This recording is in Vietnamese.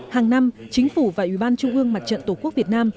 hàng năm chính phủ và ủy ban trung ương mặt trận tổ quốc việt nam